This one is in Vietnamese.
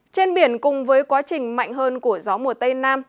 trên biển cùng với quá trình mạnh hơn của gió mùa tây nam